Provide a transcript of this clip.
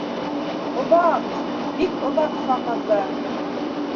Оҙаҡ, бик оҙаҡ саҡырҙы.